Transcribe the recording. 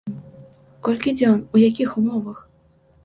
Колькі дзён, у якіх умовах?